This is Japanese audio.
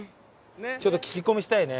ちょっと聞き込みしたいね。